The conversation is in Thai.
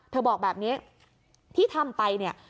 บอกแบบนี้ที่ทำไปเนี่ย